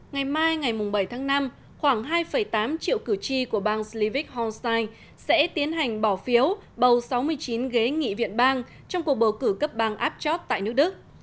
ngày mai ngày bảy tháng năm khoảng hai tám triệu cử tri của bang slivik homestay sẽ tiến hành bỏ phiếu bầu sáu mươi chín ghế nghị viện bang trong cuộc bầu cử cấp bang apport tại nước đức